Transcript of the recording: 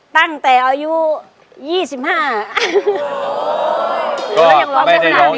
ตั้งแต่อายุที่๒๕ค่ะ